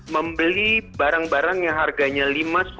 membeli barang barang yang harganya rp lima